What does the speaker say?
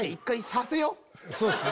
１回させよう！